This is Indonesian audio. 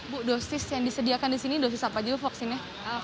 bu dosis yang disediakan disini dosis apa dulu vaksinnya